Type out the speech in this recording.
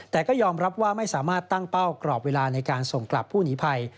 แต่ก็ยอมรับว่าไม่สามารถตั้งเป้ากรอบเวลาในการส่งกลับผู้หนีภัย